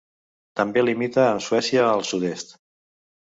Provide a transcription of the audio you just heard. També limita amb Suècia al sud-est.